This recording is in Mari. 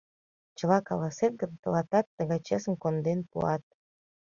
— Чыла каласет гын, тылатат тыгай чесымак конден пуат.